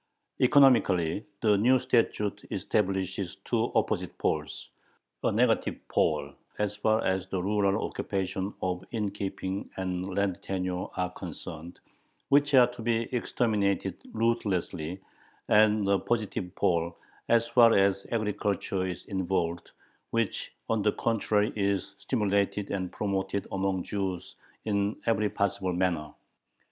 Economically the new statute establishes two opposite poles: a negative pole as far as the rural occupations of innkeeping and land tenure are concerned, which are to be exterminated ruthlessly, and a positive pole, as far as agriculture is involved, which on the contrary is to be stimulated and promoted among Jews in every possible manner.